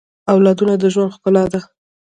اولادونه د ژوند ښکلا ده